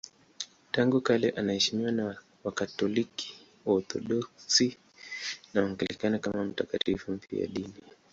Tangu kale anaheshimiwa na Wakatoliki, Waorthodoksi na Waanglikana kama mtakatifu mfiadini.